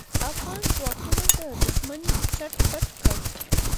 افغان ځواکونو دوښمن چټ پټ کړ.